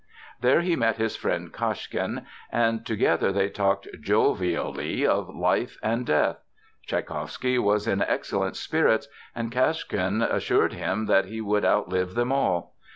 There he met his friend Kashkin and together they talked jovially of life and death. Tschaikowsky was in excellent spirits and Kashkin assured him that he would outlive them all.